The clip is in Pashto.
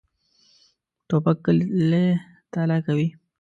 توپک کلی تالا کوي.